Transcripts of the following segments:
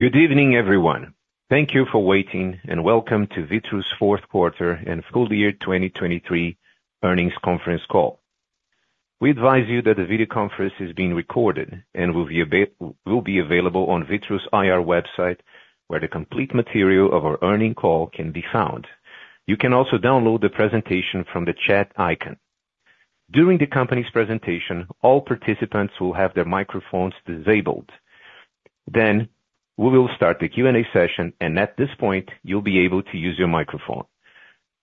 Good evening, everyone. Thank you for waiting, and welcome to Vitru's fourth quarter and full year 2023 earnings conference call. We advise you that the video conference is being recorded and will be available on Vitru's IR website, where the complete material of our earnings call can be found. You can also download the presentation from the chat icon. During the company's presentation, all participants will have their microphones disabled. Then we will start the Q&A session, and at this point you'll be able to use your microphone.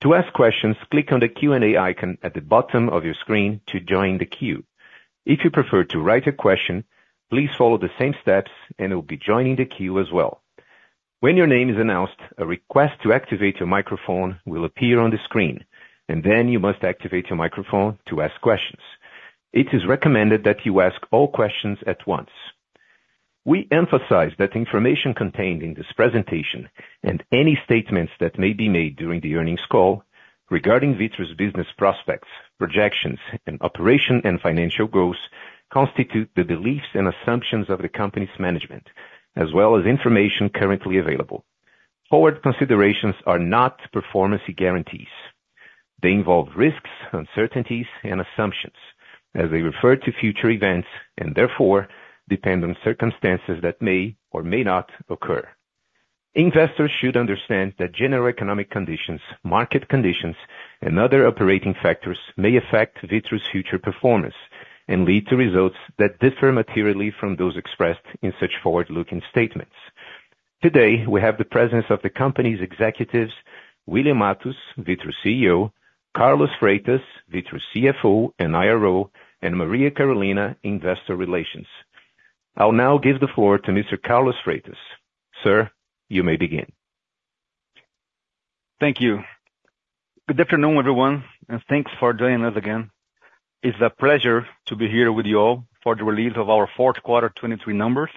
To ask questions, click on the Q&A icon at the bottom of your screen to join the queue. If you prefer to write a question, please follow the same steps and you'll be joining the queue as well. When your name is announced, a request to activate your microphone will appear on the screen, and then you must activate your microphone to ask questions. It is recommended that you ask all questions at once. We emphasize that information contained in this presentation and any statements that may be made during the earnings call regarding Vitru's business prospects, projections, and operation and financial growth constitute the beliefs and assumptions of the company's management, as well as information currently available. Forward considerations are not performance guarantees. They involve risks, uncertainties, and assumptions, as they refer to future events and therefore depend on circumstances that may or may not occur. Investors should understand that general economic conditions, market conditions, and other operating factors may affect Vitru's future performance and lead to results that differ materially from those expressed in such forward-looking statements. Today we have the presence of the company's executives, William Matos, Vitru's CEO, Carlos Freitas, Vitru's CFO and IRO, and Maria Carolina Gonçalves, Investor Relations. I'll now give the floor to Mr. Carlos Freitas. Sir, you may begin. Thank you. Good afternoon, everyone, and thanks for joining us again. It's a pleasure to be here with you all for the release of our fourth quarter 2023 numbers,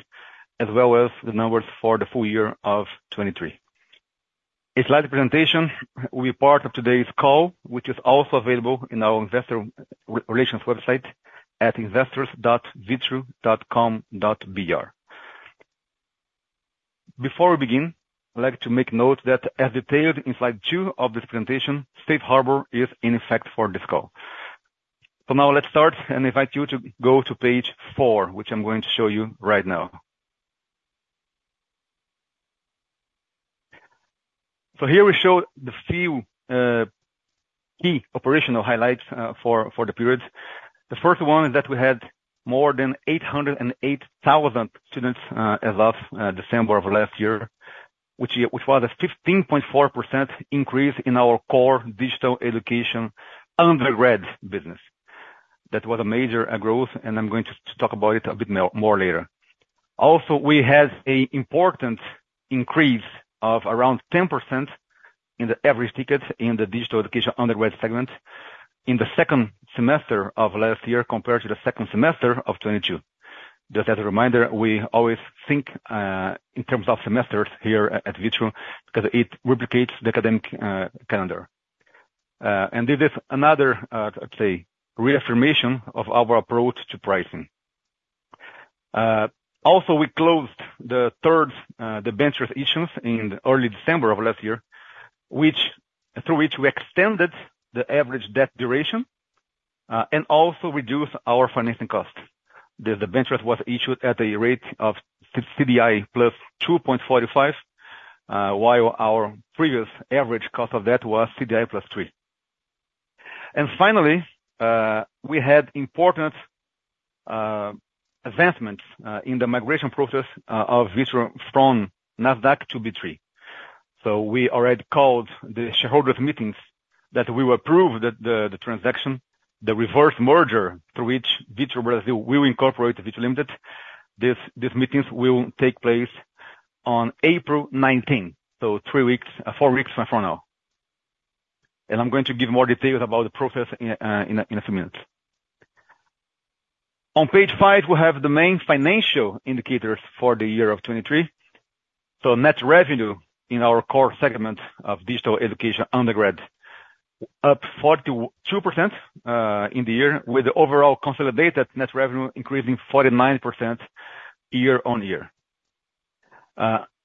as well as the numbers for the full year of 2023. A slide presentation will be part of today's call, which is also available in our Investor Relations website at investors.vitru.com.br. Before we begin, I'd like to make note that as detailed in slide two of this presentation, Safe Harbor is in effect for this call. Now let's start and invite you to go to page 4, which I'm going to show you right now. Here we show the few key operational highlights for the period. The first one is that we had more than 808,000 students as of December of last year, which was a 15.4% increase in our core digital education undergrad business. That was a major growth, and I'm going to talk about it a bit more later. Also, we had an important increase of around 10% in the average ticket in the digital education undergrad segment in the second semester of last year compared to the second semester of 2022. Just as a reminder, we always think in terms of semesters here at Vitru because it replicates the academic calendar. And this is another, let's say, reaffirmation of our approach to pricing. Also, we closed the third debentures issues in early December of last year, through which we extended the average debt duration and also reduced our financing cost. The debentures was issued at a rate of CDI plus 2.45, while our previous average cost of debt was CDI plus 3. And finally, we had important advancements in the migration process of Vitru from Nasdaq to B3. So we already called the shareholders' meetings that we will approve the transaction, the reverse merger through which Vitru Brasil will incorporate Vitru Limited. These meetings will take place on April 19, so four weeks from now. And I'm going to give more details about the process in a few minutes. On page 5, we have the main financial indicators for the year of 2023. So net revenue in our core segment of digital education undergrad, up 42% in the year, with the overall consolidated net revenue increasing 49% year-over-year.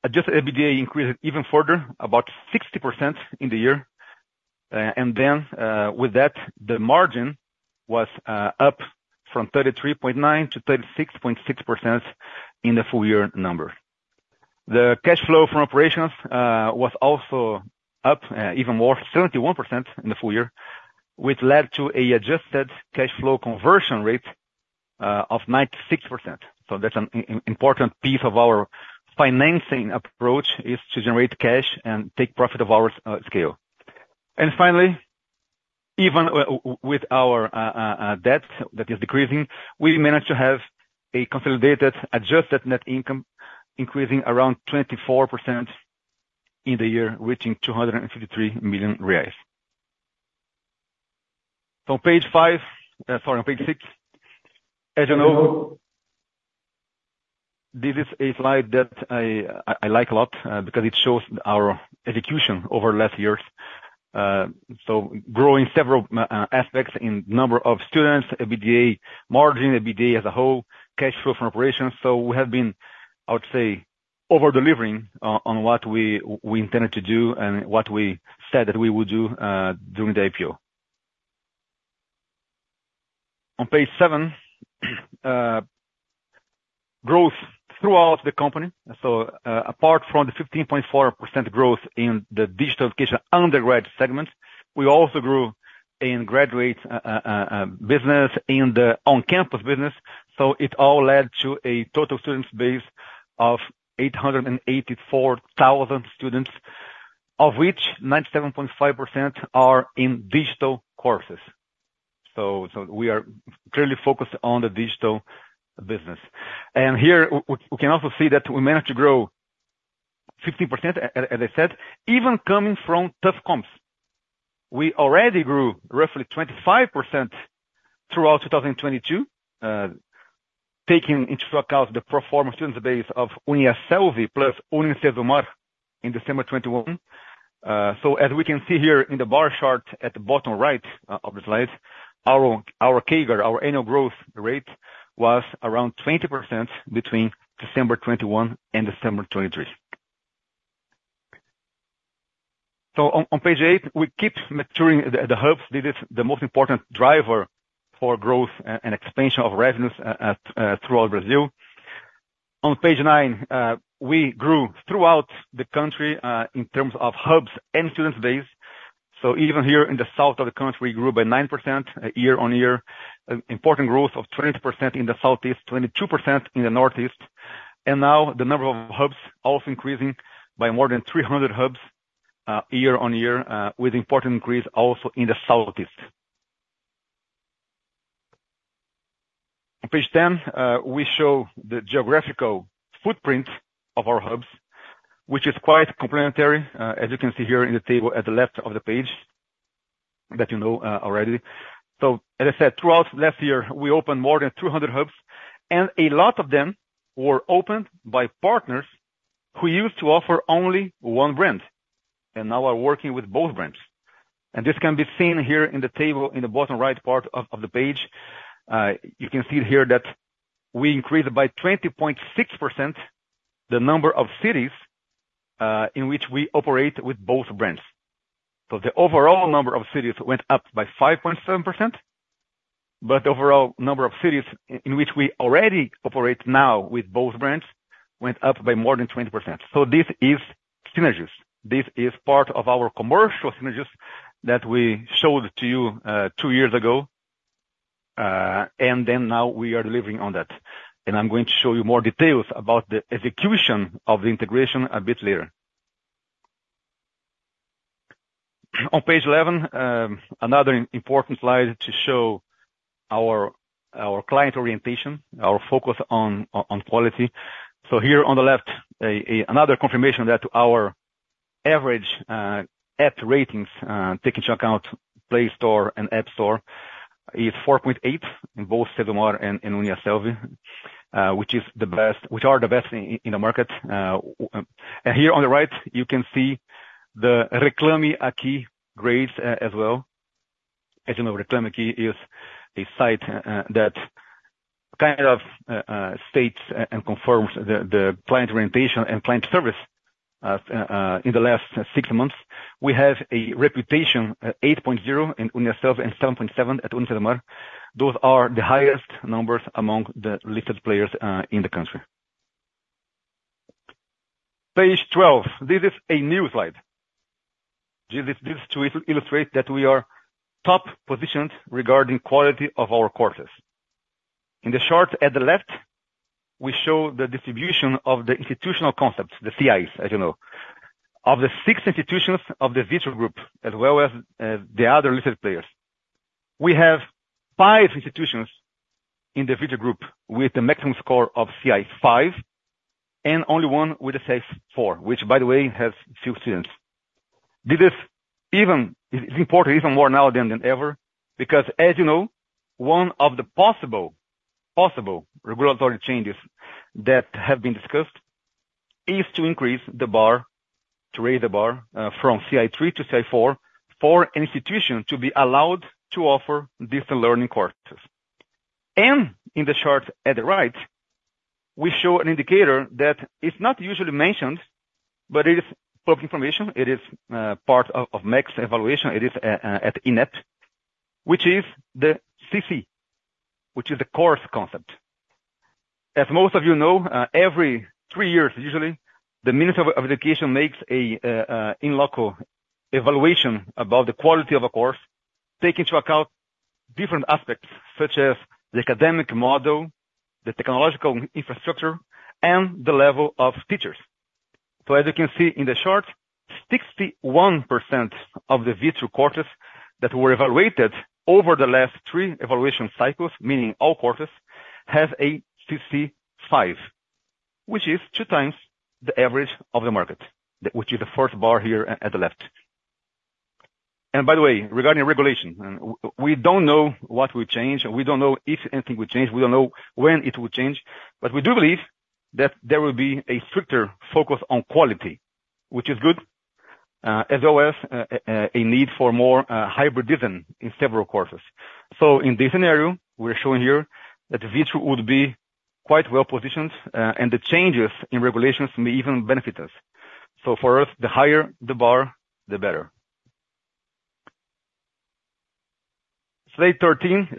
Adjusted EBITDA increased even further, about 60% in the year. And then with that, the margin was up from 33.9%-36.6% in the full year number. The cash flow from operations was also up even more, 71% in the full year, which led to an adjusted cash flow conversion rate of 96%. So that's an important piece of our financing approach, is to generate cash and take profit of our scale. And finally, even with our debt that is decreasing, we managed to have a consolidated adjusted net income increasing around 24% in the year, reaching 253 million reais. So on page 5, sorry, on page 6. As you know, this is a slide that I like a lot because it shows our execution over last years. So growing several aspects in number of students, EBITDA margin, EBITDA as a whole, cash flow from operations. So we have been, I would say, over-delivering on what we intended to do and what we said that we would do during the IPO. On page 7, growth throughout the company. So apart from the 15.4% growth in the digital education undergrad segment, we also grew in graduate business and the on-campus business. So it all led to a total students' base of 884,000 students, of which 97.5% are in digital courses. We are clearly focused on the digital business. And here we can also see that we managed to grow 15%, as I said, even coming from tough comps. We already grew roughly 25% throughout 2022, taking into account the performing students' base of UNIASSELVI plus UniCesumar in December 2021. As we can see here in the bar chart at the bottom right of the slide, our CAGR, our annual growth rate, was around 20% between December 2021 and December 2023. On page eight, we keep maturing the hubs. This is the most important driver for growth and expansion of revenues throughout Brazil. On page nine, we grew throughout the country in terms of hubs and students' base. So even here in the South of the country, we grew by 9% year-on-year, important growth of 20% in the Southeast, 22% in the Northeast. And now the number of hubs also increasing by more than 300 hubs year-on-year, with an important increase also in the Southeast. On page 10, we show the geographical footprint of our hubs, which is quite complementary, as you can see here in the table at the left of the page that you know already. So as I said, throughout last year, we opened more than 200 hubs, and a lot of them were opened by partners who used to offer only one brand and now are working with both brands. And this can be seen here in the table in the bottom right part of the page. You can see here that we increased by 20.6% the number of cities in which we operate with both brands. So the overall number of cities went up by 5.7%, but the overall number of cities in which we already operate now with both brands went up by more than 20%. So this is synergies. This is part of our commercial synergies that we showed to you two years ago, and then now we are delivering on that. And I'm going to show you more details about the execution of the integration a bit later. On page 11, another important slide to show our client orientation, our focus on quality. So here on the left, another confirmation that our average app ratings, taking into account Play Store and App Store, is 4.8 in both UniCesumar and UNIASSELVI, which are the best in the market. And here on the right, you can see the Reclame Aqui grades as well. As you know, Reclame Aqui is a site that kind of states and confirms the client orientation and client service in the last six months. We have a reputation 8.0 in UNIASSELVI and 7.7 at UniCesumar. Those are the highest numbers among the listed players in the country. Page 12, this is a new slide. This illustrates that we are top positioned regarding quality of our courses. In the chart at the left, we show the distribution of the institutional concepts, the CIs, as you know, of the six institutions of the Vitru Group, as well as the other listed players. We have five institutions in the Vitru Group with the maximum score of CI five, and only one with a CI four, which, by the way, has few students. This is important even more now than ever because, as you know, one of the possible regulatory changes that have been discussed is to increase the bar, to raise the bar from CI 3 to CI 4 for an institution to be allowed to offer distance learning courses. And in the chart at the right, we show an indicator that is not usually mentioned, but it is public information. It is part of MEC's evaluation. It is at INEP, which is the CC, which is the course concept. As most of you know, every 3 years, usually, the Ministry of Education makes an in loco evaluation about the quality of a course, taking into account different aspects such as the academic model, the technological infrastructure, and the level of teachers. So as you can see in the chart, 61% of the Vitru courses that were evaluated over the last three evaluation cycles, meaning all courses, have a CC 5, which is two times the average of the market, which is the first bar here at the left. And by the way, regarding regulation, we don't know what will change. We don't know if anything will change. We don't know when it will change. But we do believe that there will be a stricter focus on quality, which is good, as well as a need for more hybridism in several courses. So in this scenario, we're showing here that Vitru would be quite well positioned, and the changes in regulations may even benefit us. So for us, the higher the bar, the better. Slide 13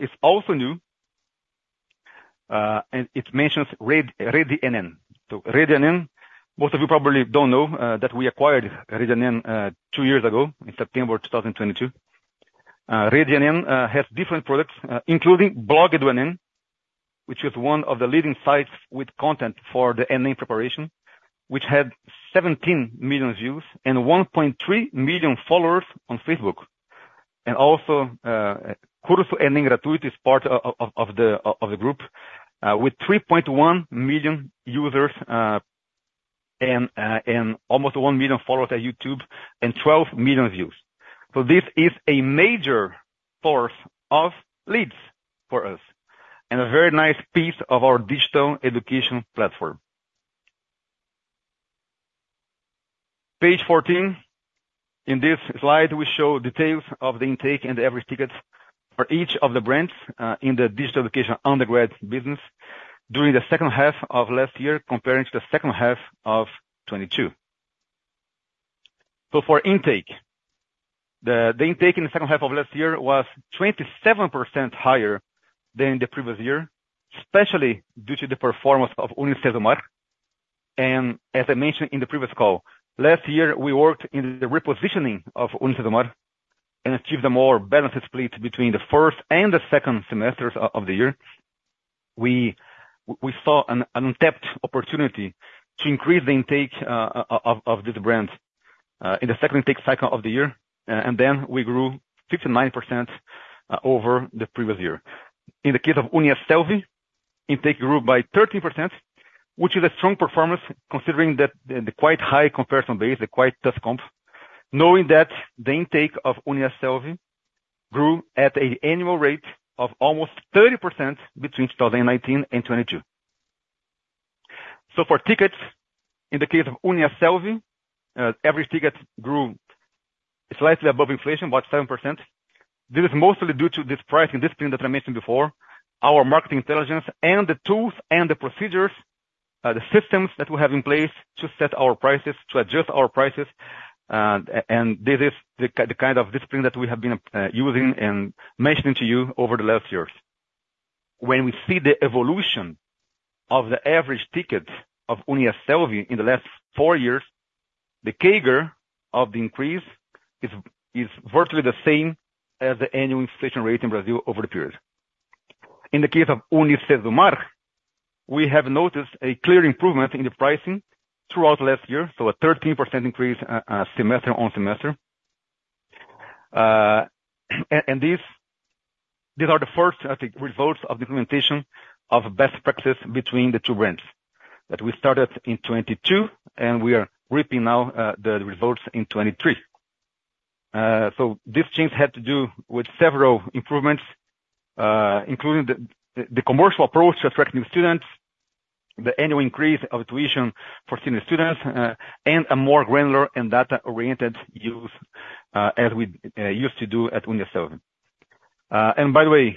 is also new, and it mentions Rede Enem. So Rede Enem, most of you probably don't know that we acquired Rede Enem two years ago in September 2022. Rede Enem has different products, including Blog do Enem, which is one of the leading sites with content for the Enem preparation, which had 17 million views and 1.3 million followers on Facebook. And also, Curso Enem Gratuito is part of the group with 3.1 million users and almost 1 million followers at YouTube and 12 million views. So this is a major source of leads for us and a very nice piece of our digital education platform. Page 14, in this slide, we show details of the intake and the average tickets for each of the brands in the digital education undergrad business during the second half of last year compared to the second half of 2022. So for intake, the intake in the second half of last year was 27% higher than the previous year, especially due to the performance of UniCesumar. And as I mentioned in the previous call, last year, we worked in the repositioning of UniCesumar and achieved a more balanced split between the first and the second semesters of the year. We saw an untapped opportunity to increase the intake of these brands in the second intake cycle of the year. And then we grew 59% over the previous year. In the case of UNIASSELVI, intake grew by 13%, which is a strong performance considering the quite high comparison base, the quite tough comp, knowing that the intake of UNIASSELVI grew at an annual rate of almost 30% between 2019 and 2022. For tickets, in the case of Uniasselvi, every ticket grew slightly above inflation, about 7%. This is mostly due to this pricing discipline that I mentioned before, our marketing intelligence, and the tools and the procedures, the systems that we have in place to set our prices, to adjust our prices. This is the kind of discipline that we have been using and mentioning to you over the last years. When we see the evolution of the average ticket of Uniasselvi in the last four years, the CAGR of the increase is virtually the same as the annual inflation rate in Brazil over the period. In the case of UniCesumar, we have noticed a clear improvement in the pricing throughout last year, so a 13% increase semester-on-semester. These are the first results of the implementation of best practices between the two brands that we started in 2022, and we are reaping now the results in 2023. So these changes had to do with several improvements, including the commercial approach to attract new students, the annual increase of tuition for senior students, and a more granular and data-oriented use as we used to do at UNIASSELVI. And by the way,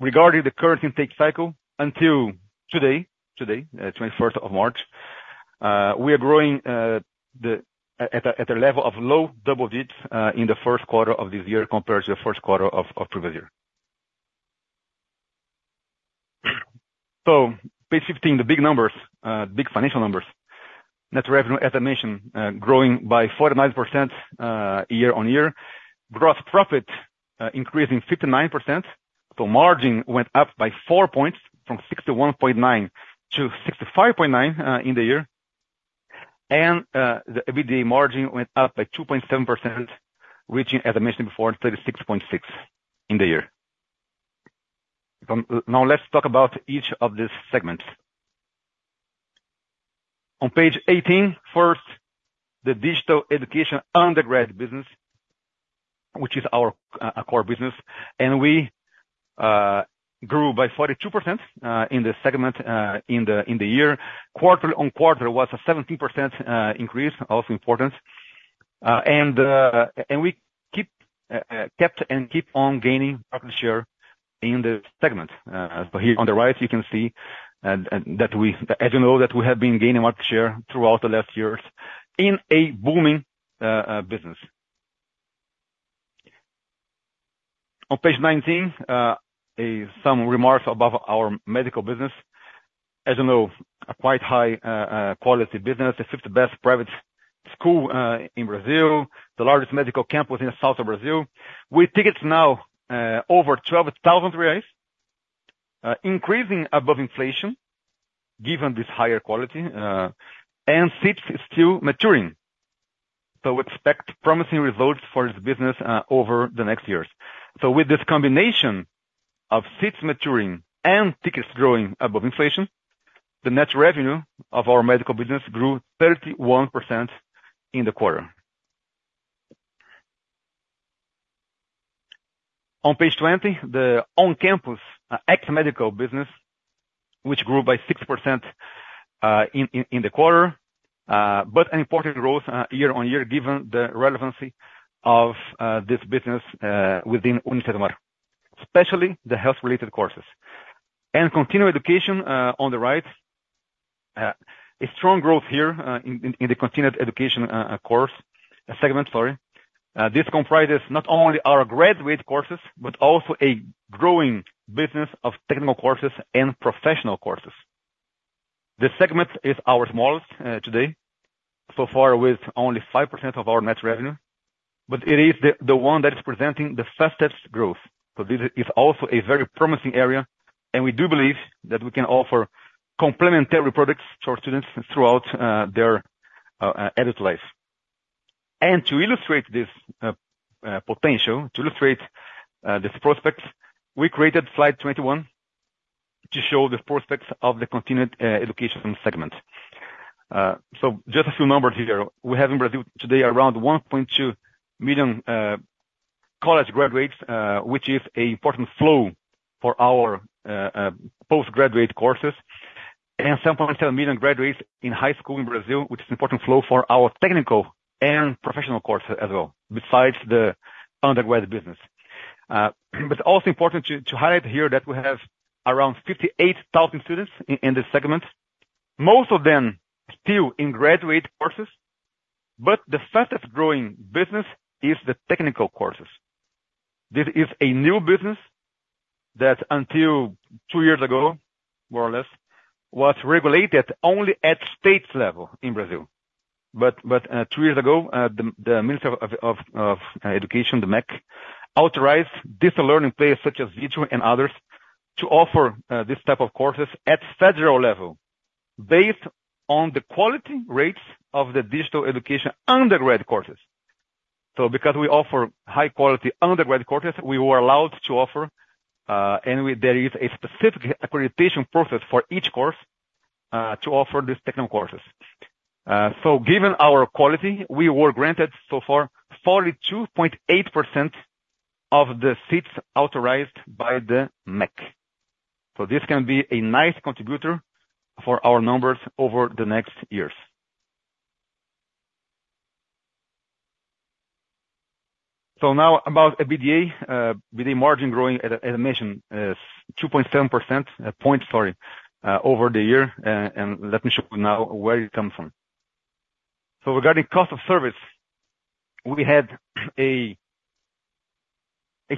regarding the current intake cycle, until today, today, 21st of March, we are growing at a level of low double digits in the first quarter of this year compared to the first quarter of previous year. So page 15, the big numbers, the big financial numbers, net revenue, as I mentioned, growing by 49% year-on-year, gross profit increasing 59%. So margin went up by four points from 61.9 to 65.9 in the year. And the EBITDA margin went up by 2.7%, reaching, as I mentioned before, 36.6% in the year. Now, let's talk about each of these segments. On page 18, first, the digital education undergrad business, which is our core business. We grew by 42% in the segment in the year. Quarter on quarter was a 17% increase, also important. And we kept and keep on gaining market share in the segment. So here on the right, you can see that, as you know, we have been gaining market share throughout the last years in a booming business. On page 19, some remarks above our medical business. As you know, a quite high-quality business, the fifth best private school in Brazil, the largest medical campus in the south of Brazil. With tickets now over 12,000 reais, increasing above inflation given this higher quality, and seats still maturing. So we expect promising results for this business over the next years. So with this combination of seats maturing and tickets growing above inflation, the net revenue of our medical business grew 31% in the quarter. On page 20, the on-campus ex-medical business, which grew by 6% in the quarter, but an important growth year-over-year given the relevancy of this business within UniCesumar, especially the health-related courses. And continuing education on the right, a strong growth here in the continuing education course, a segment, sorry. This comprises not only our graduate courses, but also a growing business of technical courses and professional courses. This segment is our smallest today, so far with only 5% of our net revenue. But it is the one that is presenting the fastest growth. So this is also a very promising area. We do believe that we can offer complementary products to our students throughout their adult life. To illustrate this potential, to illustrate this prospect, we created slide 21 to show the prospects of the continued education segment. Just a few numbers here. We have in Brazil today around 1.2 million college graduates, which is an important flow for our postgraduate courses, and 7.7 million graduates in high school in Brazil, which is an important flow for our technical and professional courses as well, besides the undergrad business. Also important to highlight here that we have around 58,000 students in this segment, most of them still in graduate courses. The fastest growing business is the technical courses. This is a new business that, until two years ago, more or less, was regulated only at state level in Brazil. Two years ago, the Ministry of Education, the MEC, authorized distance learning players such as Vitru and others to offer this type of courses at federal level based on the quality rates of the digital education undergrad courses. Because we offer high-quality undergrad courses, we were allowed to offer, and there is a specific accreditation process for each course to offer these technical courses. Given our quality, we were granted so far 42.8% of the seats authorized by the MEC. This can be a nice contributor for our numbers over the next years. Now about EBITDA, EBITDA margin growing, as I mentioned, is 2.7%, sorry, over the year. Let me show you now where it comes from. Regarding cost of service, we had a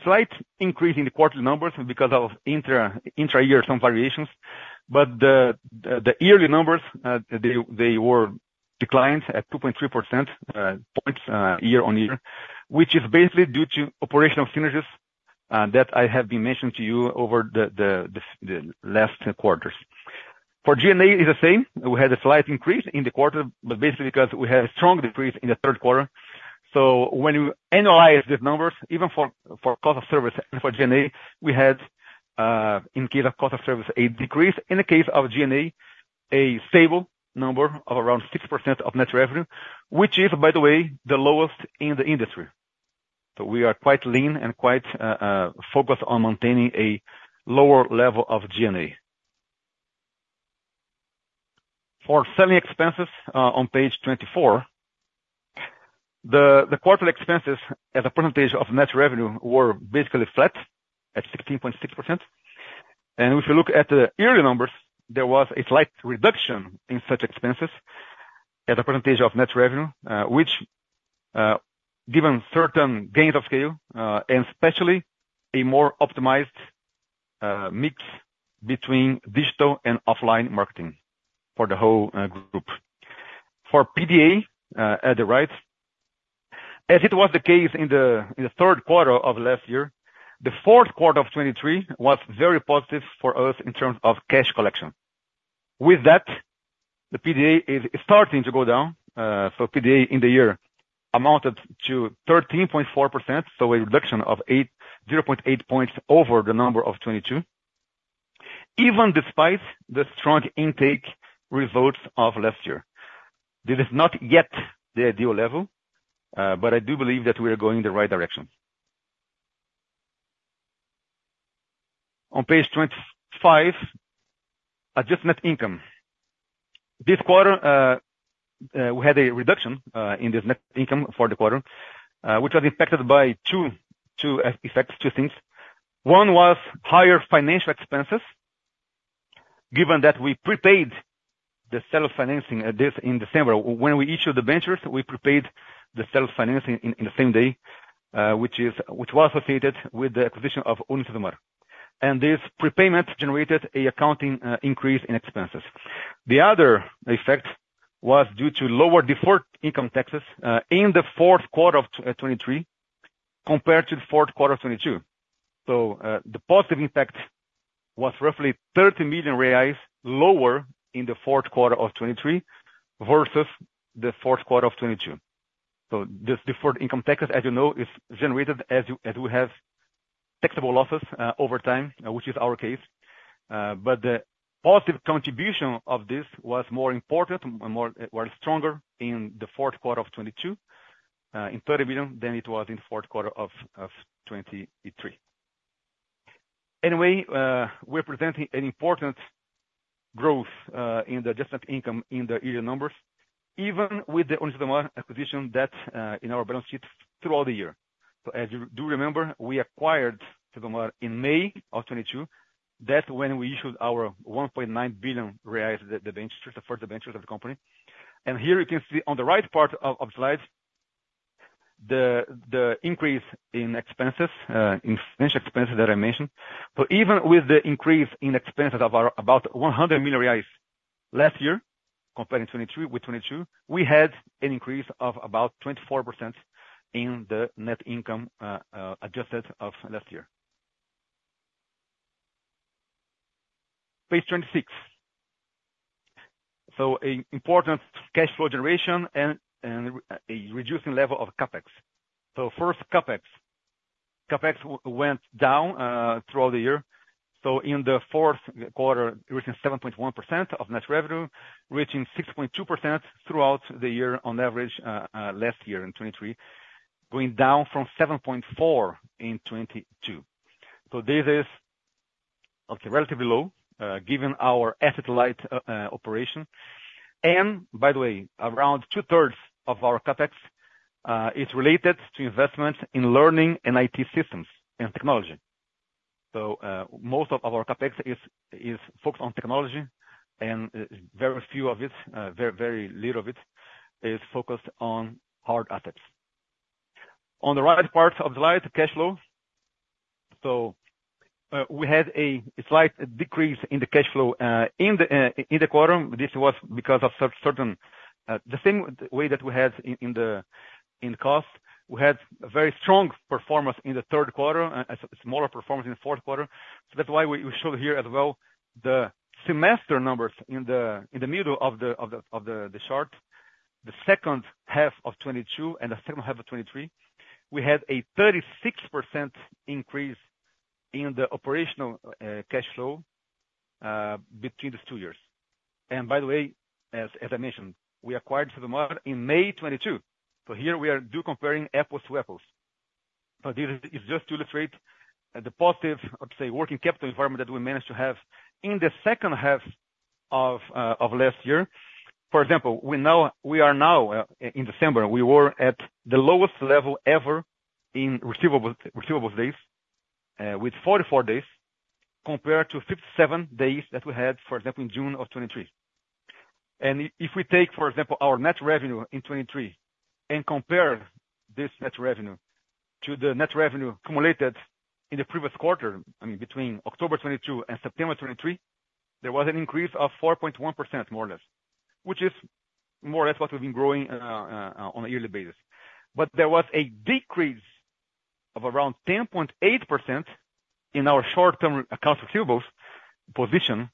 slight increase in the quarterly numbers because of intra-year some variations. But the yearly numbers, they were declined at 2.3 percentage points year-over-year, which is basically due to operational synergies that I have been mentioning to you over the last quarters. For GNA, it's the same. We had a slight increase in the quarter, but basically because we had a strong decrease in the third quarter. So when you analyze these numbers, even for cost of service and for GNA, we had, in case of cost of service, a decrease. In the case of GNA, a stable number of around 6% of net revenue, which is, by the way, the lowest in the industry. So we are quite lean and quite focused on maintaining a lower level of GNA. For selling expenses on page 24, the quarterly expenses, as a percentage of net revenue, were basically flat at 16.6%. If you look at the yearly numbers, there was a slight reduction in such expenses as a percentage of net revenue, which, given certain gains of scale and especially a more optimized mix between digital and offline marketing for the whole group. For PDA at the right, as it was the case in the third quarter of last year, the fourth quarter of 2023 was very positive for us in terms of cash collection. With that, the PDA is starting to go down. So PDA in the year amounted to 13.4%, so a reduction of 0.8 points over the number of 2022, even despite the strong intake results of last year. This is not yet the ideal level, but I do believe that we are going in the right direction. On page 25, adjusted net income. This quarter, we had a reduction in this net income for the quarter, which was impacted by two effects, two things. One was higher financial expenses, given that we prepaid the sale of financing this in December. When we issued the ventures, we prepaid the sale of financing in the same day, which was associated with the acquisition of UniCesumar. And this prepayment generated an accounting increase in expenses. The other effect was due to lower deferred income taxes in the fourth quarter of 2023 compared to the fourth quarter of 2022. So the positive impact was roughly 30 million reais lower in the fourth quarter of 2023 versus the fourth quarter of 2022. So this deferred income taxes, as you know, is generated as we have taxable losses over time, which is our case. But the positive contribution of this was more important, were stronger in the fourth quarter of 2022, in 30 million than it was in the fourth quarter of 2023. Anyway, we're presenting an important growth in the adjustment income in the yearly numbers, even with the UniCesumar acquisition that's in our balance sheet throughout the year. So as you do remember, we acquired UniCesumar in May of 2022. That's when we issued our 1.9 billion reais, the first ventures of the company. And here you can see on the right part of the slide, the increase in expenses, in financial expenses that I mentioned. So even with the increase in expenses of about 100 million reais last year compared to 2023 with 2022, we had an increase of about 24% in the net income adjusted of last year. Page 26. So an important cash flow generation and a reducing level of CapEx. So first, CapEx. CapEx went down throughout the year. So in the fourth quarter, reaching 7.1% of net revenue, reaching 6.2% throughout the year on average last year in 2023, going down from 7.4% in 2022. So this is relatively low given our asset light operation. And by the way, around two-thirds of our CapEx is related to investments in learning and IT systems and technology. So most of our CapEx is focused on technology, and very few of it, very little of it, is focused on hard assets. On the right part of the slide, cash flow. So we had a slight decrease in the cash flow in the quarter. This was because of certain the same way that we had in cost. We had very strong performance in the third quarter, smaller performance in the fourth quarter. So that's why we showed here as well the semester numbers in the middle of the chart, the second half of 2022 and the second half of 2023. We had a 36% increase in the operational cash flow between these two years. And by the way, as I mentioned, we acquired UniCesumar in May 2022. So here we are doing comparing apples to apples. So this is just to illustrate the positive, I would say, working capital environment that we managed to have in the second half of last year. For example, we are now in December. We were at the lowest level ever in receivables days with 44 days compared to 57 days that we had, for example, in June of 2023. If we take, for example, our net revenue in 2023 and compare this net revenue to the net revenue accumulated in the previous quarter, I mean, between October 2022 and September 2023, there was an increase of 4.1%, more or less, which is more or less what we've been growing on a yearly basis. But there was a decrease of around 10.8% in our short-term accounts receivables position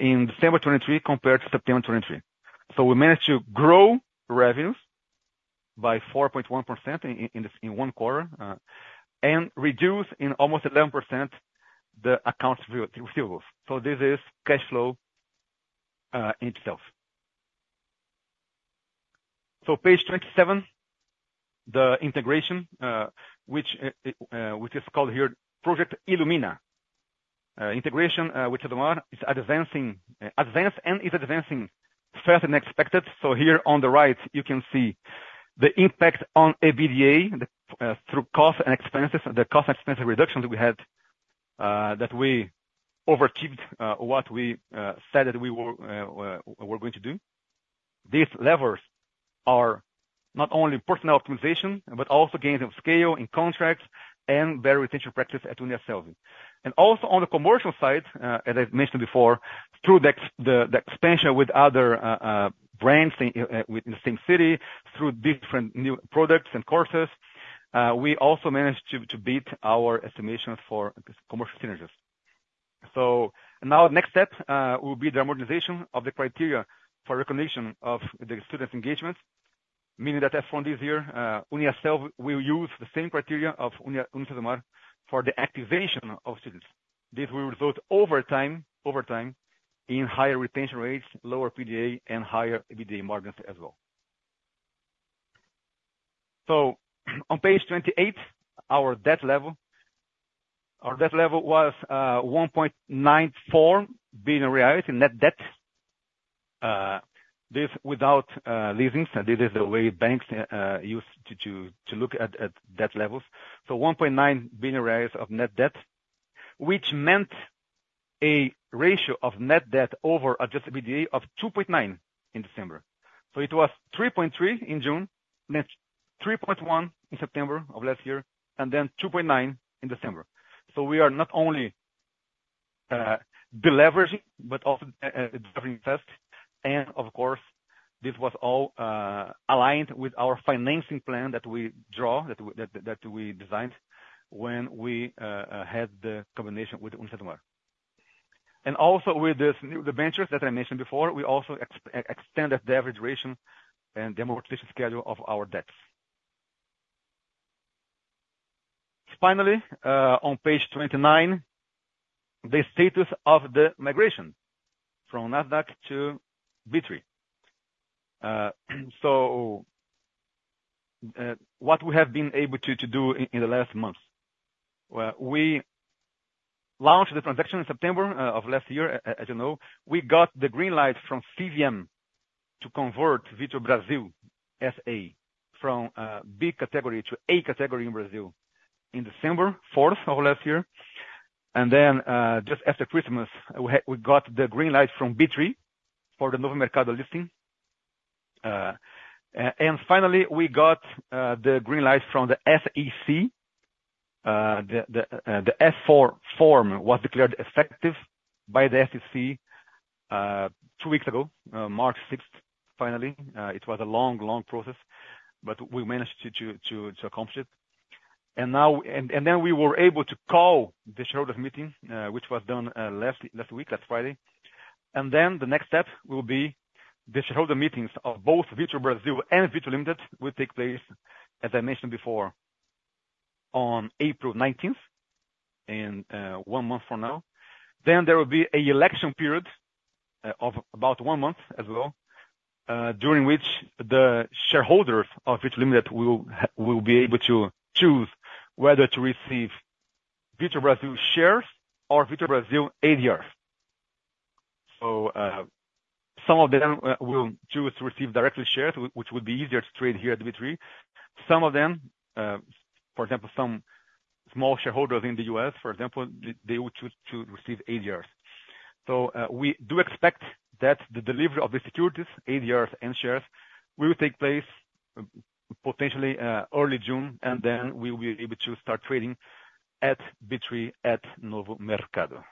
in December 2023 compared to September 2023. So we managed to grow revenues by 4.1% in one quarter and reduce in almost 11% the accounts receivables. So this is cash flow in itself. So page 27, the integration, which is called here Project Ilumina. Integration with UniCesumar is advanced and is advancing faster than expected. So here on the right, you can see the impact on EBITDA through cost and expenses. The cost and expense reductions we had that we overachieved what we said that we were going to do. These levers are not only personnel optimization, but also gains of scale in contracts and better retention practices at UniCesumar. Also on the commercial side, as I mentioned before, through the expansion with other brands in the same city, through different new products and courses, we also managed to beat our estimations for commercial synergies. Now the next step will be the harmonization of the criteria for recognition of the students' engagement, meaning that from this year, UniCesumar will use the same criteria of UniCesumar for the activation of students. This will result over time in higher retention rates, lower PDA, and higher EBITDA margins as well. So on page 28, our debt level. Our debt level was 1.94 billion in net debt. This without leases. This is the way banks use to look at debt levels. So BRL 1.9 billion of net debt, which meant a ratio of net debt over adjusted EBITDA of 2.9 in December. So it was 3.3 in June, then 3.1 in September of last year, and then 2.9 in December. So we are not only deleveraging, but also delivering fast. And of course, this was all aligned with our financing plan that we drew, that we designed when we had the combination with UniCesumar. And also with the vendors that I mentioned before, we also extended the average duration and amortization schedule of our debts. Finally, on page 29, the status of the migration from Nasdaq to B3. So what we have been able to do in the last months. We launched the transaction in September of last year. As you know, we got the green light from CVM to convert Vitru Brasil SA from B category to A category in Brazil on December 4th of last year. And then just after Christmas, we got the green light from B3 for the Novo Mercado listing. And finally, we got the green light from the SEC. The S-4 form was declared effective by the SEC two weeks ago, March 6th, finally. It was a long, long process, but we managed to accomplish it. And then we were able to call the shareholder meeting, which was done last week, last Friday. Then the next step will be the shareholder meetings of both Vitru Brasil and Vitru Limited will take place, as I mentioned before, on April 19th, in one month from now. Then there will be an election period of about one month as well, during which the shareholders of Vitru Limited will be able to choose whether to receive Vitru Brasil shares or Vitru Brasil ADRs. So some of them will choose to receive directly shares, which would be easier to trade here at B3. Some of them, for example, some small shareholders in the U.S., for example, they will choose to receive ADRs. So we do expect that the delivery of the securities, ADRs, and shares will take place potentially early June, and then we will be able to start trading at B3 at Novo Mercado.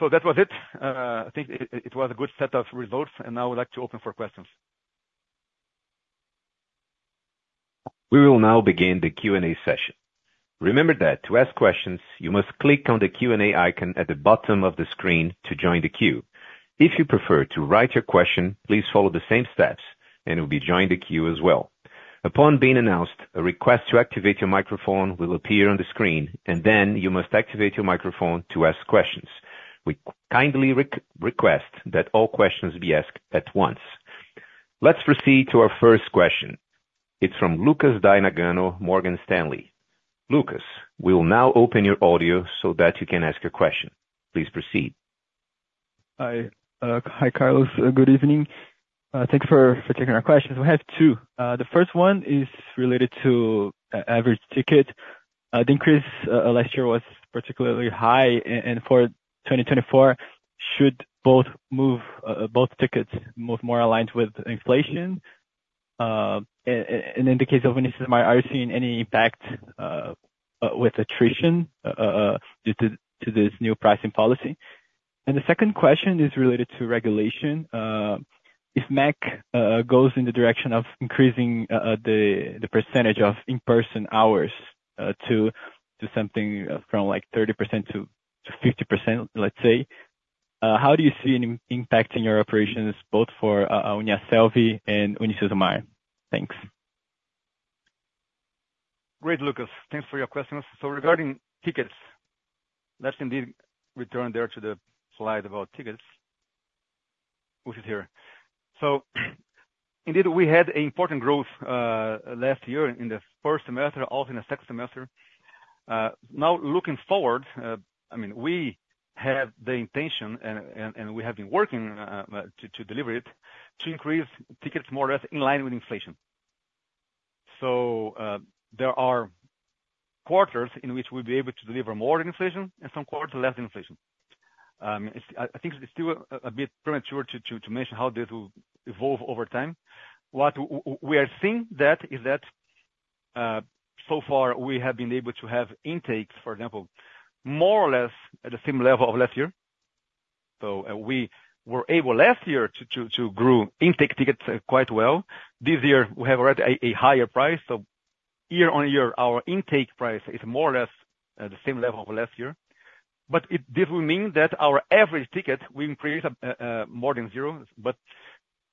So that was it. I think it was a good set of results, and now I would like to open for questions. We will now begin the Q&A session. Remember that to ask questions, you must click on the Q&A icon at the bottom of the screen to join the queue. If you prefer to write your question, please follow the same steps, and you'll be joined to queue as well. Upon being announced, a request to activate your microphone will appear on the screen, and then you must activate your microphone to ask questions. We kindly request that all questions be asked at once. Let's proceed to our first question. It's from Lucas Nagano, Morgan Stanley. Lucas, we will now open your audio so that you can ask your question. Please proceed. Hi, Carlos. Good evening. Thanks for taking our questions. We have two. The first one is related to average ticket. The increase last year was particularly high, and for 2024, should both tickets move more aligned with inflation? And in the case of UniCesumar, are you seeing any impact with attrition due to this new pricing policy? And the second question is related to regulation. If MEC goes in the direction of increasing the percentage of in-person hours to something from like 30%-50%, let's say, how do you see an impact in your operations, both for UniCesumar and UniCesumar? Thanks. Great, Lucas. Thanks for your questions. So regarding tickets, let's indeed return there to the slide about tickets, which is here. So indeed, we had an important growth last year in the first semester, also in the second semester. Now looking forward, I mean, we have the intention, and we have been working to deliver it, to increase tickets more or less in line with inflation. So there are quarters in which we'll be able to deliver more inflation and some quarters less inflation. I think it's still a bit premature to mention how this will evolve over time. What we are seeing that is that so far we have been able to have intakes, for example, more or less at the same level of last year. So we were able last year to grow intake tickets quite well. This year, we have already a higher price. So year-over-year, our intake price is more or less at the same level of last year. But this will mean that our average ticket, we increase more than zero. But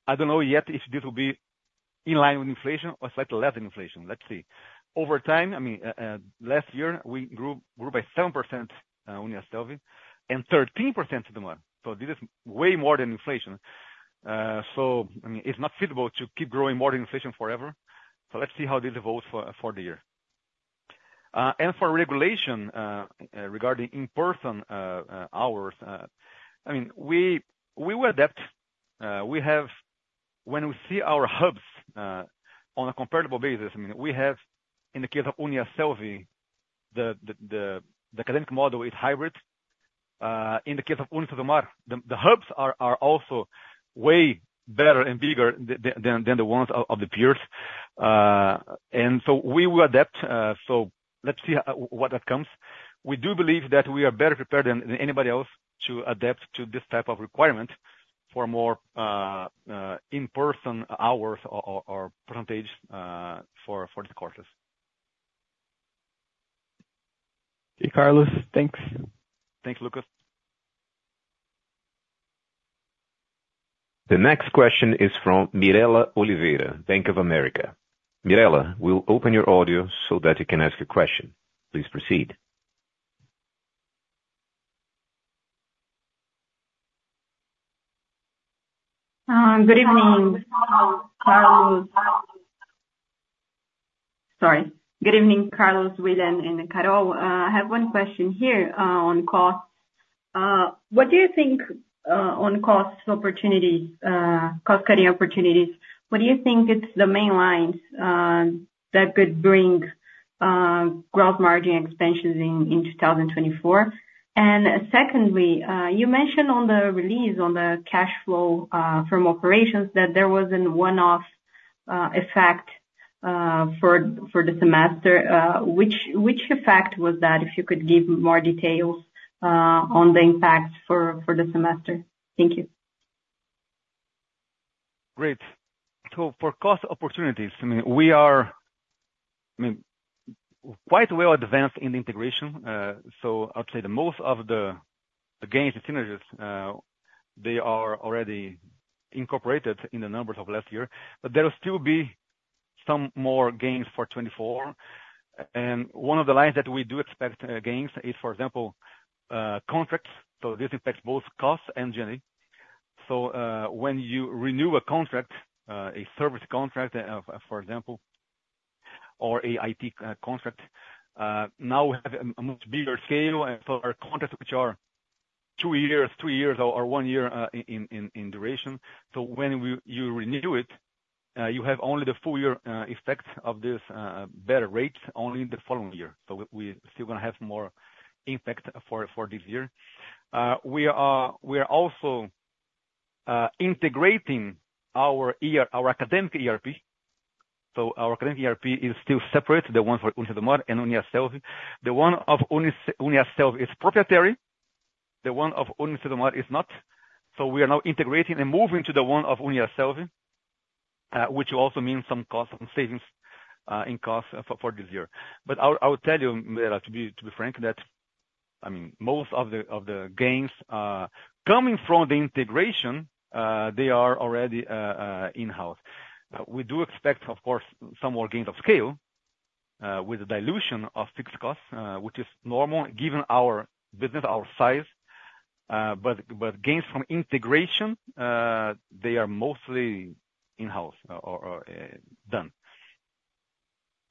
I don't know yet if this will be in line with inflation or slightly less than inflation. Let's see. Over time, I mean, last year, we grew by 7% UniCesumar and 13% UniCesumar. So this is way more than inflation. So I mean, it's not feasible to keep growing more than inflation forever. So let's see how this evolves for the year. And for regulation regarding in-person hours, I mean, we will adapt. When we see our hubs on a comparable basis, I mean, we have, in the case of UniCesumar, the academic model is hybrid. In the case of UniCesumar, the hubs are also way better and bigger than the ones of the peers. And so we will adapt. So let's see what that comes. We do believe that we are better prepared than anybody else to adapt to this type of requirement for more in-person hours or percentage for these courses. Okay, Carlos. Thanks. Thanks, Lucas. The next question is from Mirela Oliveira, Bank of America. Mirela, we'll open your audio so that you can ask your question. Please proceed. Good evening, Carlos. Sorry. Good evening, Carlos, William, and Carol. I have one question here on cost. What do you think on cost opportunities, cost-cutting opportunities, what do you think are the main lines that could bring gross margin expansions in 2024? And secondly, you mentioned on the release, on the cash flow from operations, that there wasn't one-off effect for the semester. Which effect was that, if you could give more details on the impacts for the semester? Thank you. Great. So for cost opportunities, I mean, we are quite well advanced in the integration. So I would say the most of the gains and synergies, they are already incorporated in the numbers of last year. But there will still be some more gains for 2024. And one of the lines that we do expect gains is, for example, contracts. So this impacts both costs and G&A. So when you renew a contract, a service contract, for example, or an IT contract, now we have a much bigger scale. And so our contracts, which are 2 years, 3 years, or 1 year in duration, so when you renew it, you have only the full-year effect of this better rate only the following year. So we're still going to have more impact for this year. We are also integrating our academic ERP. So our academic ERP is still separate, the one for UniCesumar and UniCesumar. The one of UniCesumar is proprietary. The one of UniCesumar is not. So we are now integrating and moving to the one of UniCesumar, which also means some costs and savings in costs for this year. But I will tell you, Mirela, to be frank, that I mean, most of the gains coming from the integration, they are already in-house. We do expect, of course, some more gains of scale with the dilution of fixed costs, which is normal given our business, our size. But gains from integration, they are mostly in-house done.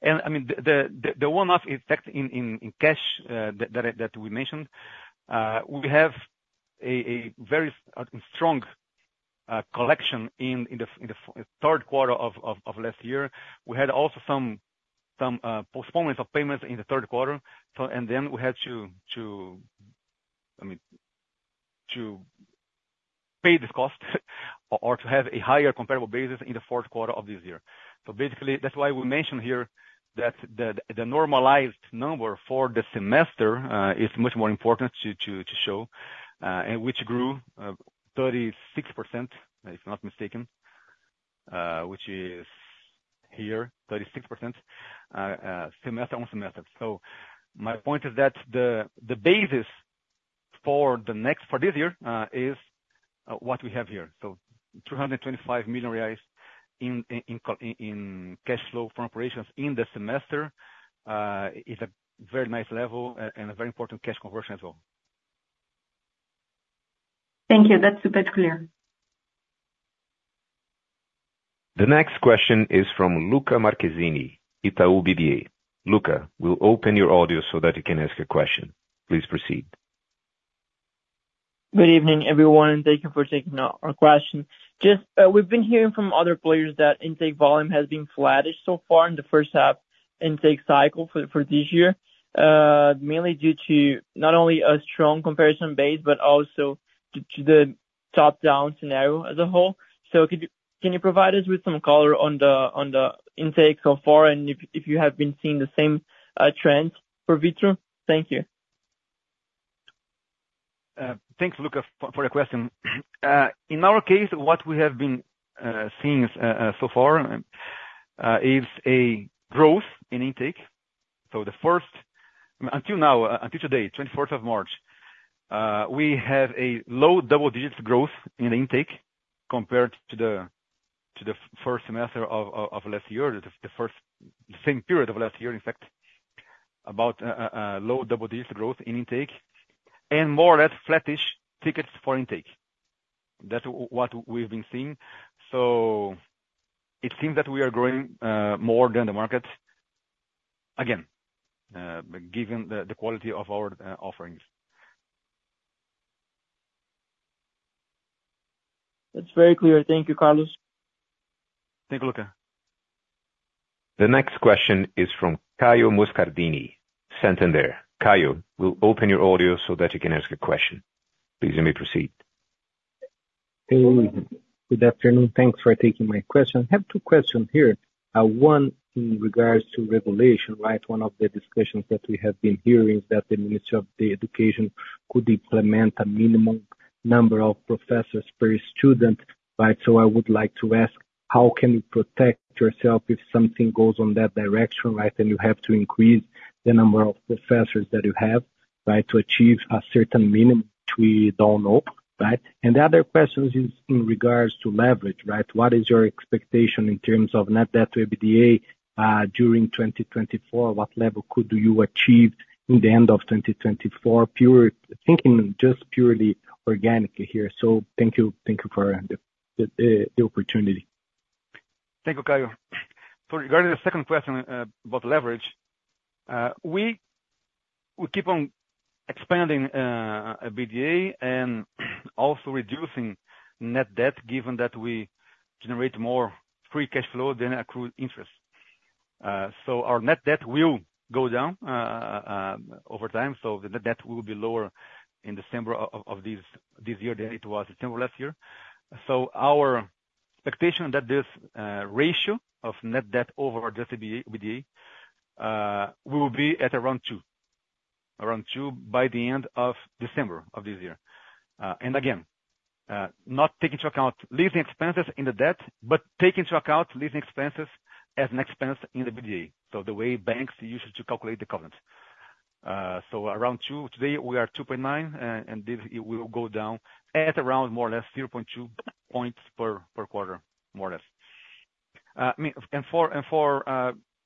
And I mean, the one-off effect in cash that we mentioned, we have a very strong collection in the third quarter of last year. We had also some postponements of payments in the third quarter. And then we had to, I mean, pay this cost or to have a higher comparable basis in the fourth quarter of this year. So basically, that's why we mentioned here that the normalized number for the semester is much more important to show, which grew 36%, if I'm not mistaken, which is here, 36% semester-on-semester. So my point is that the basis for this year is what we have here. So 225 million reais in cash flow from operations in the semester is a very nice level and a very important cash conversion as well. Thank you. That's super clear. The next question is from Luca Marchesini, unia. Luca, we'll open your audio so that you can ask your question. Please proceed. Good evening, everyone. Thank you for taking our question. We've been hearing from other players that intake volume has been flattish so far in the first half intake cycle for this year, mainly due to not only a strong comparison base, but also to the top-down scenario as a whole. So can you provide us with some color on the intake so far and if you have been seeing the same trend for Vitru? Thank you. Thanks, Luca, for the question. In our case, what we have been seeing so far is a growth in intake. So until now, until today, 24th of March, we have a low double-digit growth in the intake compared to the first semester of last year, the same period of last year, in fact, about low double-digit growth in intake and more or less flattish tickets for intake. That's what we've been seeing. So it seems that we are growing more than the market again, given the quality of our offerings. That's very clear. Thank you, Carlos. Thanks, Luca. The next question is from Caio Moscardini, Santander. Caio, we'll open your audio so that you can ask your question. Please let me proceed. Good afternoon. Thanks for taking my question. I have two questions here. One in regards to regulation, right? One of the discussions that we have been hearing is that the Ministry of Education could implement a minimum number of professors per student, right? So I would like to ask, how can you protect yourself if something goes in that direction, right? And you have to increase the number of professors that you have, right, to achieve a certain minimum. We don't know, right? And the other question is in regards to leverage, right? What is your expectation in terms of net debt to EBITDA during 2024? What level could you achieve in the end of 2024, thinking just purely organically here? So thank you for the opportunity. Thank you, Caio. So regarding the second question about leverage, we keep on expanding EBITDA and also reducing net debt given that we generate more free cash flow than accrued interest. So our net debt will go down over time. So the net debt will be lower in December of this year than it was in December last year. So our expectation that this ratio of net debt over adjusted EBITDA will be at around 2, around 2 by the end of December of this year. And again, not taking into account leasing expenses in the debt, but taking into account leasing expenses as an expense in the EBITDA, so the way banks usually calculate the covenants. So around 2, today we are 2.9, and it will go down at around more or less 0.2 points per quarter, more or less. For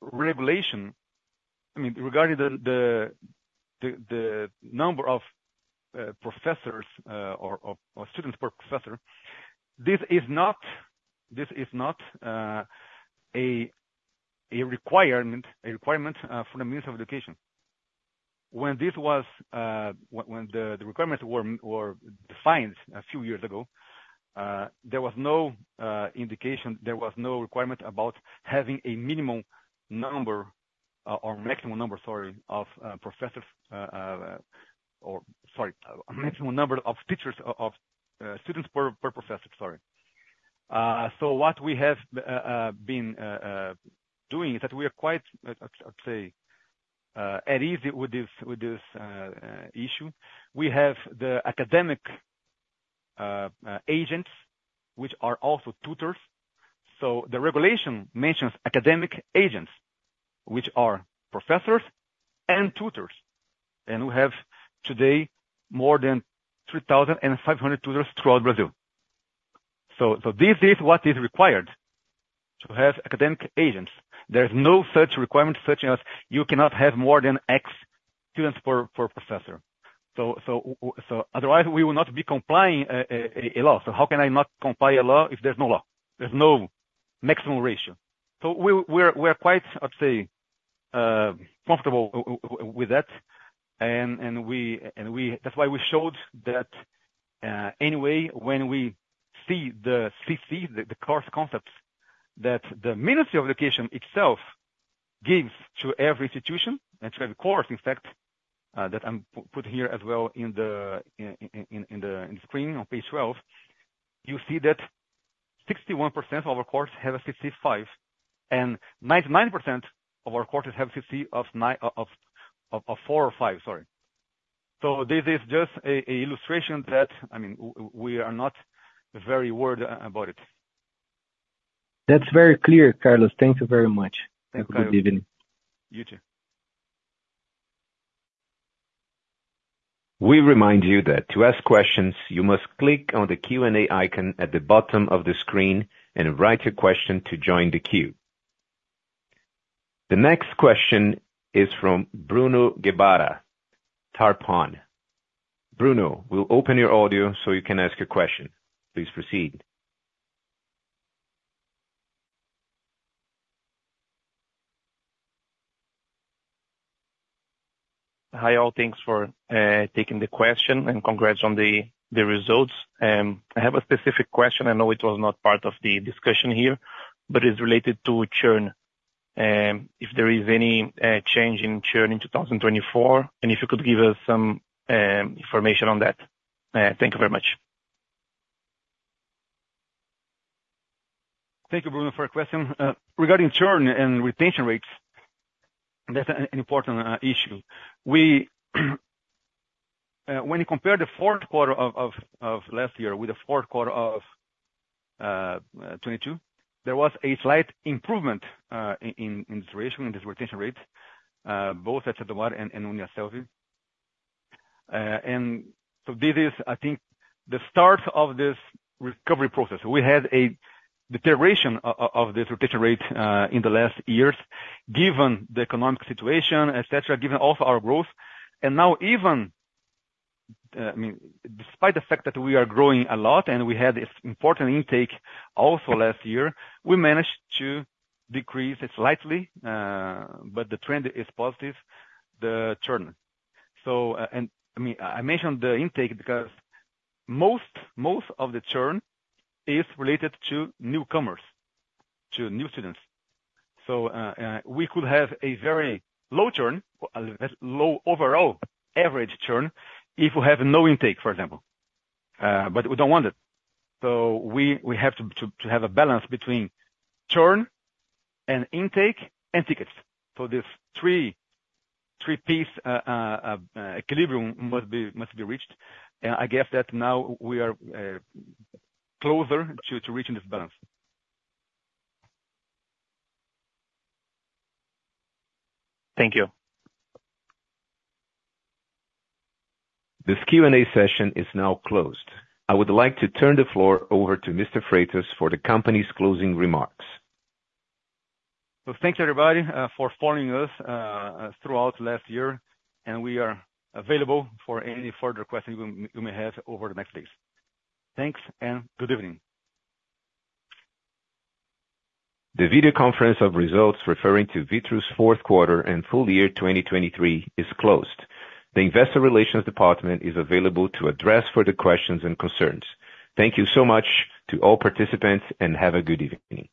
regulation, I mean, regarding the number of professors or students per professor, this is not a requirement from the Ministry of Education. When the requirements were defined a few years ago, there was no indication, there was no requirement about having a minimum number or maximum number, sorry, of professors or, sorry, a maximum number of teachers, of students per professor, sorry. What we have been doing is that we are quite, I'd say, at ease with this issue. We have the academic agents, which are also tutors. The regulation mentions academic agents, which are professors and tutors. We have today more than 3,500 tutors throughout Brazil. This is what is required to have academic agents. There is no such requirement such as you cannot have more than X students per professor. Otherwise, we will not be complying with the law. So how can I not comply with the law if there's no law? There's no maximum ratio. So we are quite, I'd say, comfortable with that. And that's why we showed that anyway, when we see the CC, the course concepts, that the Ministry of Education itself gives to every institution and to every course, in fact, that I'm putting here as well in the screen on page 12, you see that 61% of our courses have a CC of 5, and 99% of our courses have a CC of 4 or 5, sorry. So this is just an illustration that, I mean, we are not very worried about it. That's very clear, Carlos. Thank you very much. Have a good evening. You too. We remind you that to ask questions, you must click on the Q&A icon at the bottom of the screen and write your question to join the queue. The next question is from Bruno Giovanetti, Tarpon Capital. Bruno, we'll open your audio so you can ask your question. Please proceed. Hi all. Thanks for taking the question and congrats on the results. I have a specific question. I know it was not part of the discussion here, but it's related to churn. If there is any change in churn in 2024, and if you could give us some information on that. Thank you very much. Thank you, Bruno, for your question. Regarding churn and retention rates, that's an important issue. When you compare the fourth quarter of last year with the fourth quarter of 2022, there was a slight improvement in this ratio, in this retention rate, both at Itaú BBA and UniCesumar. And so this is, I think, the start of this recovery process. We had a deterioration of this retention rate in the last years given the economic situation, etc., given also our growth. And now even, I mean, despite the fact that we are growing a lot and we had important intake also last year, we managed to decrease it slightly, but the trend is positive, the churn. I mean, I mentioned the intake because most of the churn is related to newcomers, to new students. So we could have a very low churn, low overall average churn if we have no intake, for example. But we don't want it. So we have to have a balance between churn and intake and tickets. So this three-piece equilibrium must be reached. And I guess that now we are closer to reaching this balance. Thank you. This Q&A session is now closed. I would like to turn the floor over to Mr. Freitas for the company's closing remarks. Thanks, everybody, for following us throughout last year. We are available for any further questions you may have over the next days. Thanks and good evening. The video conference of results referring to Vitru's fourth quarter and full year 2023 is closed. The investor relations department is available to address further questions and concerns. Thank you so much to all participants and have a good evening.